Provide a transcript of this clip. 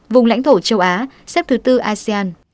vùng lãnh thổ châu á xếp thứ bốn asean